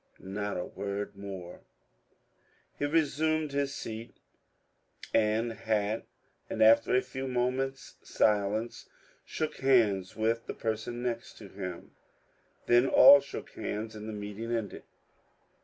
Not a word more. He resumed his seat and hat, and after a few minutes' silence shook hands with the person next him ; then all shook hands and the meeting ended.